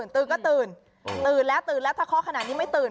ตื่นก็ตื่นตื่นแล้วถ้าเคราะห์ขนาดนี้ไม่ตื่น